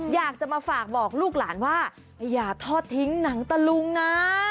อยากจะมาฝากบอกลูกหลานว่าอย่าทอดทิ้งหนังตะลุงนะ